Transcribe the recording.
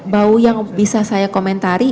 bau yang bisa saya komentari